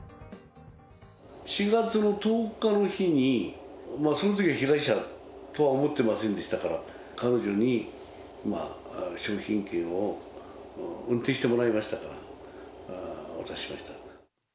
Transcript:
４月の１０日の日にそのときは被害者とは思っていませんでしたから、彼女に商品券を、運転してもらいましたから、渡しました。